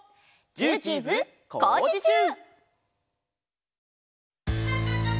「ジューキーズ」「こうじちゅう！」